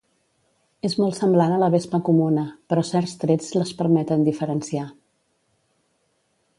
És molt semblant a la vespa comuna, però certs trets les permeten diferenciar.